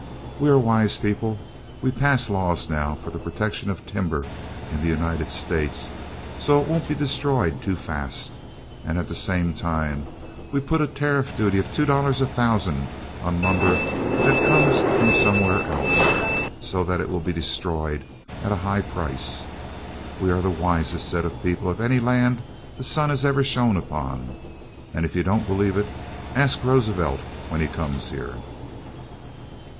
We are a wise people. We pass laws now for the protection of timber in the United States, so it won't be destroyed too fast, and at the same time, we put a tariff duty of two dollars a thousand on lumber that comes from somewhere else so that it will be destroyed at a high price. (Laughter and applause). We are the wisest set of people of any land that the sun ever shone upon. And if you don't believe it, ask Roosevelt when he comes here. (Laughter and applause).